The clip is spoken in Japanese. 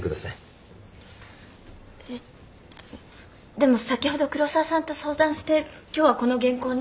でも先ほど黒沢さんと相談して今日はこの原稿にと。